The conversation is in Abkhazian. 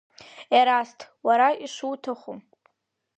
Ерасҭ, уара ишуҭаху…